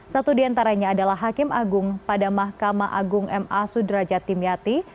satu diantaranya adalah hakim agung pada mahkamah agung ma sudrajat timyati